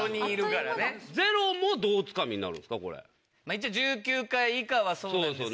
一応１９回以下はそうなんですけど。